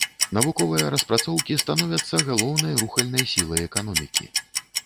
Навуковыя распрацоўкі становяцца галоўнай рухальнай сілай эканомікі.